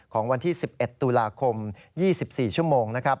ของวันที่๑๑ตุลาคม๒๔ชั่วโมง